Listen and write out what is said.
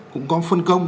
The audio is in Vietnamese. cũng có phân công